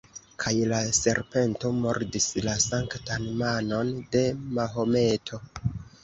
Kaj la serpento mordis la sanktan manon de Mahometo.